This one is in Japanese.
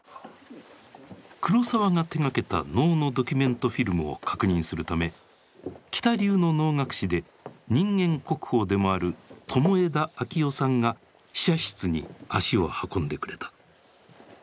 黒澤が手がけた能のドキュメントフィルムを確認するため喜多流の能楽師で人間国宝でもある友枝昭世さんが試写室に足を運んでくれた。